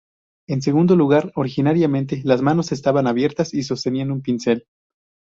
En segundo lugar, originariamente las manos estaban abiertas y sostenían un pincel.